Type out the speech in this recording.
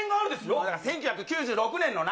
１９９６年のな。